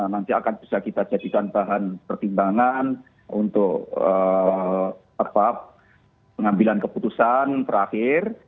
nanti akan bisa kita jadikan bahan pertimbangan untuk terbab pengambilan keputusan terakhir